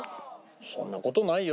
そんな事ないよ。